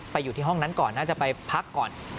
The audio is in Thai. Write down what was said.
อยู่ที่ห้องนั้นก่อนน่าจะไปพักก่อน